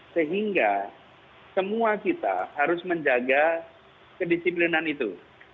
sehingga semua kita harus menjaga kedisiplinan itu